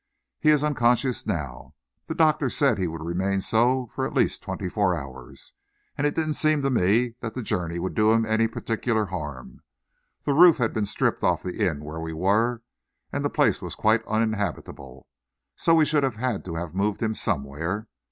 "He is unconscious now. The doctor said he would remain so for at least twenty four hours, and it didn't seem to me that the journey would do him any particular harm. The roof had been stripped off the inn where we were, and the place was quite uninhabitable, so we should have had to have moved him somewhere.